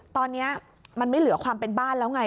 ตอนนี้มันไม่เหลือความเป็นบ้านแล้วไง